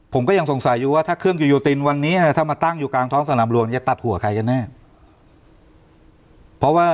ผมก็สงสัยอยู่ว่าเครื่องกิโยตินว่าตั้งอยู่กลางท้องสระแหลมลวงจะตัดหัวใครกันแน่